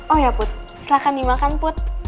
oh ya put silahkan dimakan put